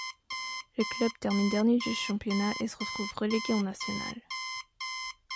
Le club termine dernier du championnat et se retrouve relégué en National.